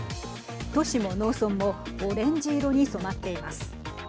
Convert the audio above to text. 都市も農村もオレンジ色に染まっています。